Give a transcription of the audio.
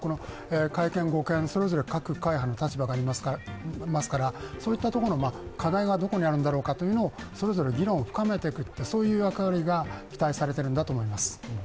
改憲、護憲、それぞれ各会派の立場がありますからそういったところの課題がどこにあるんだろうかというのをそれぞれ議論を深めていく、そういう役割が期待されてるんだと思います。